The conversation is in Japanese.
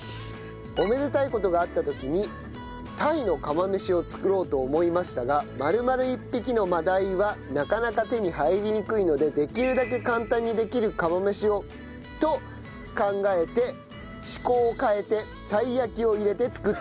おめでたい事があった時にタイの釜飯を作ろうと思いましたが丸々１匹の真鯛はなかなか手に入りにくいのでできるだけ簡単にできる釜飯をと考えて趣向を変えてたい焼きを入れて作ってみました。